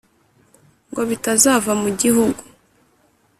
Ngo bitazava mu gihugu,